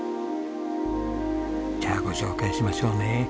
じゃあご紹介しましょうね。